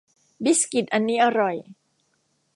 บิสกิตอันนี้อร่อย